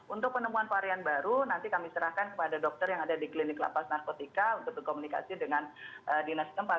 untuk penemuan varian baru nanti kami serahkan kepada dokter yang ada di klinik lapas narkotika untuk berkomunikasi dengan dinas tempat